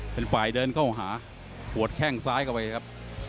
เป็นฝ่ายเดินเข้าหาหัวแข้งซ้ายเข้าไปครับ